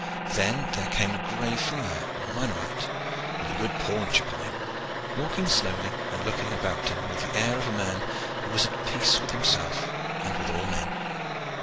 Then there came a gray friar, or minorite, with a good paunch upon him, walking slowly and looking about him with the air of a man who was at peace with himself and with all men.